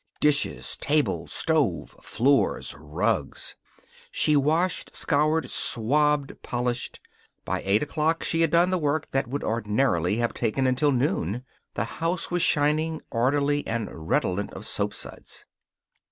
Dishes, table, stove, floor, rugs. She washed, scoured, swabbed, polished. By eight o'clock she had done the work that would ordinarily have taken until noon. The house was shining, orderly, and redolent of soapsuds.